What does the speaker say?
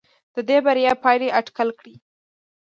د دې بریا پایلې اټکل کړي.